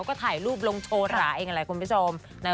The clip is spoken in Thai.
แล้วก็ถ่ายรูปลงโชว์หลายคุณผู้ชม